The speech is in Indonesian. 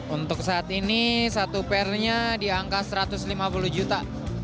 untuk saat ini satu per nya di angka satu ratus lima puluh juta